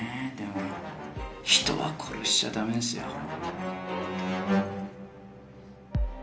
でも人は殺しちゃ駄目ですよ。